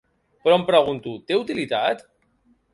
Però em pregunto, té utilitat?